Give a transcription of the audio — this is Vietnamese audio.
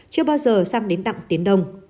chưa bao giờ sang đến đặng tiến đông